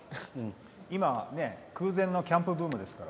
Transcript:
今、空前のキャンプブームですから。